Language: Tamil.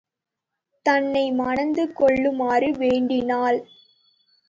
தன்னை மணந்து கொள்ளுமாறு வேண்டினாள்.